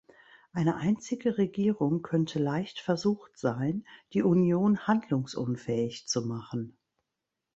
Eine einzige Regierung könnte leicht versucht sein, die Union handlungsunfähig zu machen.